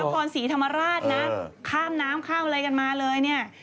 นครศรีธรรมราชนะข้ามน้ำข้ามอะไรกันมาเลยเนี่ย